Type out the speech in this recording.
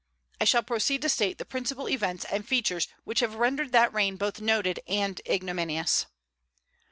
I shall proceed to state the principal events and features which have rendered that reign both noted and ignominious.